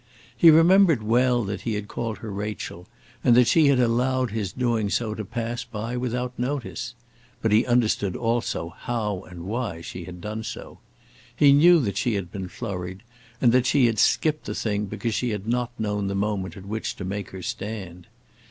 He remembered well that he had called her Rachel, and that she had allowed his doing so to pass by without notice; but he understood also how and why she had done so. He knew that she had been flurried, and that she had skipped the thing because she had not known the moment at which to make her stand.